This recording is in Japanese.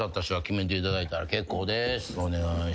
お願いします。